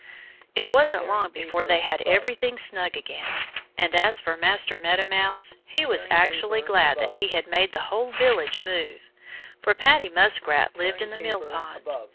It wasn't long before they had everything snug again. And as for Master Meadow Mouse, he was actually glad that he had made the whole village move. For Paddy Muskrat lived in the mill pond.